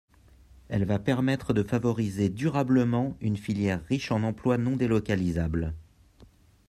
Elle va permettre de favoriser durablement une filière riche en emplois non délocalisables.